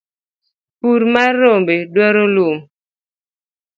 pur mar rombe dwaro lum